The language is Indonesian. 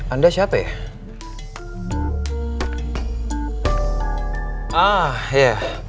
anda siapa ya